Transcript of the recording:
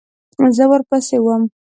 زه ورپسې وم .